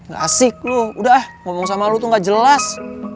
gak asik lo udah ah ngomong sama lo tuh gak jelas